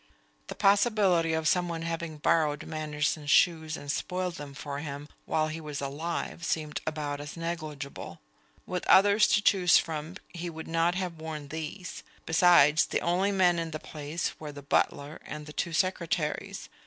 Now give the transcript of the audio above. The possibility of someone having borrowed Manderson's shoes and spoiled them for him, while he was alive, seemed about as negligible. With others to choose from he would not have worn these. Besides, the only men in the place were the butler and the two secretaries.